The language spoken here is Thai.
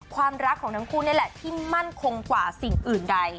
ความรักของทั้งคู่นี่แหละที่มั่นคงกว่าสิ่งอื่นใด